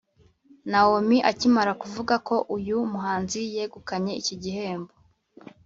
Nawomi akimara kuvuga ko uyu muhanzi yegukanye iki gihembo